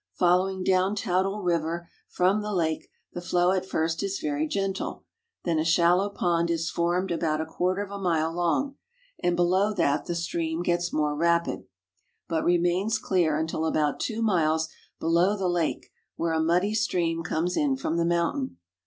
Following down Toutle river from the lake, the flow at first is very gentle, then a shallow jiond is formed about a quarter of a mile long, and below that the stream gets more ra))id, but remains clear until about two miles below the lake, where a muddy stream comes in from the mountain.